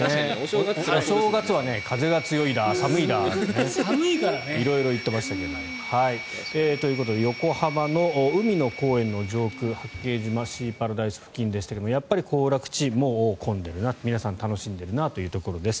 お正月は風が強いだ、寒いだって色々言っていましたけど。ということで横浜の海の公園の上空八景島シーパラダイス付近ですが行楽地、混んでいるな皆さん楽しんでいるなというところです。